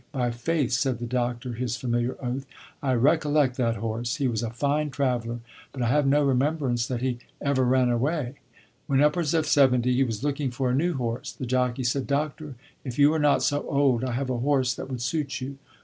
"By faith!" said the doctor (his familiar oath), "I recollect that horse; he was a fine traveler, but I have no remembrance that he ever ran away." When upwards of seventy, he was looking for a new horse. The jockey said, "Doctor, if you were not so old, I have a horse that would suit you."